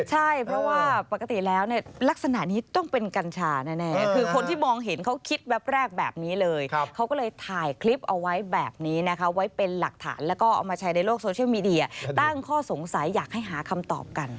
ใช่เพราะว่าปกติแล้วเนี่ยลักษณะนี้ต้องเป็นกัญชาแน่คือคนที่มองเห็นเขาคิดแวบแรกแบบนี้เลยเขาก็เลยถ่ายคลิปเอาไว้แบบนี้นะคะไว้เป็นหลักฐานแล้วก็เอามาแชร์ในโลกโซเชียลมีเดียตั้งข้อสงสัยอยากให้หาคำตอบกัน